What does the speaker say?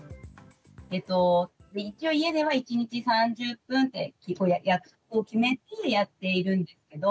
えっと一応家では１日３０分って約束を決めてやっているんですけど。